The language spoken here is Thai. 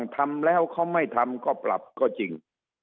ทำแล้วเขาไม่ทำก็ปรับก็จริง